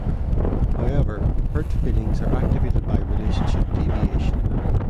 However hurt feelings are activated by relationship deviation.